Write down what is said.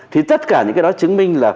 thì tất cả những cái đó chứng minh là